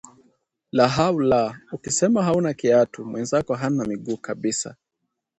Lahaula, ukisema hauna kiatu, mwenzako hana miguu kabisa